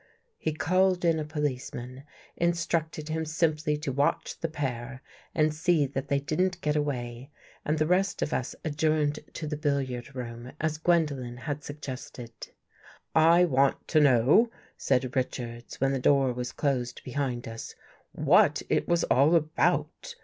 He called in a policeman, instructed him simply to watch the pair and see that they didn't get away, and the rest of us adjourned to the billiard room, as Gwendolen had suggested. " I want to know," said Richards, when the door was closed behind us, "what it was all about?